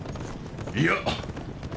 いや。